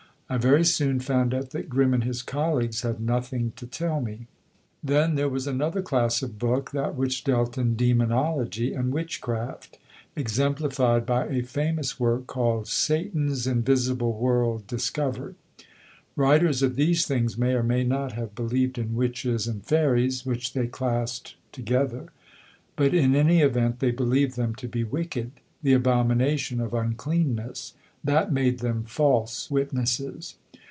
I very soon found out that Grimm and his colleagues had nothing to tell me. Then there was another class of book; that which dealt in demonology and witchcraft, exemplified by a famous work called Satan's Invisible World Discovered. Writers of these things may or may not have believed in witches and fairies (which they classed together); but in any event they believed them to be wicked, the abomination of uncleanness. That made them false witnesses.